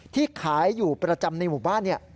ที่ขายอยู่ประจำในหมู่บ้าน